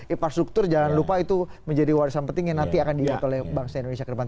dan juga infrastruktur jangan lupa itu menjadi warisan penting yang nanti akan diikuti oleh bank stai indonesia ke depan